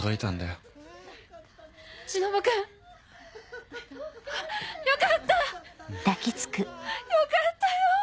よかったよぉ。